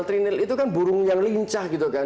trinil itu kan burung yang lincah gitu kan